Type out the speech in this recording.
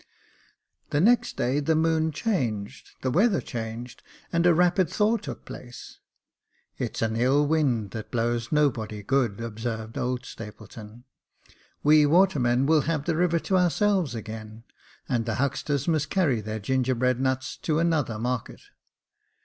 The next day the moon changed, the weather changed, and a rapid thaw took place. " It's an ill wind that blows nobody good," observed old Stapleton ;" we watermen will have the river to ourselves again, and the hucksters must carry their gingerbread nuts to another market."